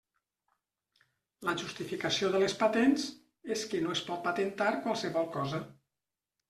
La justificació de les patents és que no es pot patentar qualsevol cosa.